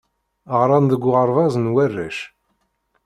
Ɣran deg uɣerbaz n warrac.